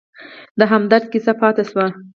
د همدرد کیسه پاتې شوه.